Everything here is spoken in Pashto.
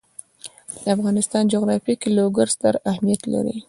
د افغانستان جغرافیه کې لوگر ستر اهمیت لري.